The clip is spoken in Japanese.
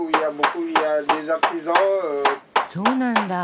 そうなんだ。